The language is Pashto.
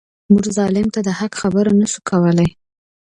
موږ ظالم ته د حق خبره نه شو کولای.